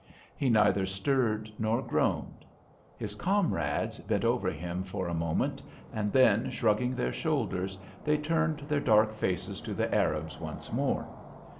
He neither stirred nor groaned. His comrades bent over him for a moment, and then, shrugging their shoulders, they turned their dark faces to the Arabs once more.